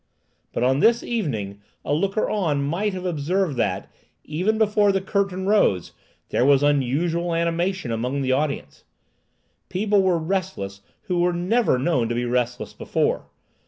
But on this evening a looker on might have observed that, even before the curtain rose, there was unusual animation among the audience. People were restless who were never known to be restless before.